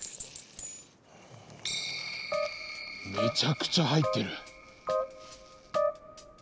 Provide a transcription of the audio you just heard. めちゃくちゃ入ってる！